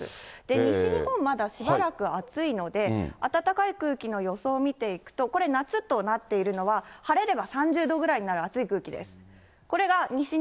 西日本、まだしばらく暑いので、暖かい空気の予想見ていくと、これ、夏となっているのは、晴れれば３０度ぐらいになる熱い空気です。